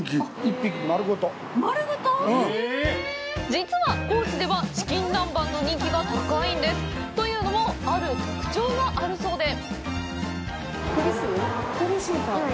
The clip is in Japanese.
実は、高知ではチキン南蛮の人気が高いんです。というのもある特徴があるそうで？